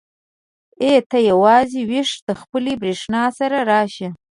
ای ته یوازې ويښه د خپلې برېښنا سره راشه.